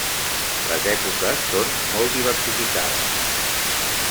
Les èpoques són molt diversificades.